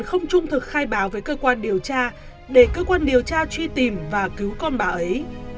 không trung thực khai báo với cơ quan điều tra để cơ quan điều tra truy tìm và cứu con bà ấy